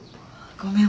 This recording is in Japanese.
ごめん。